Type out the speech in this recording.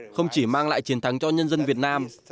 không chỉ mang lại chiến thắng cho nhân dân việt nam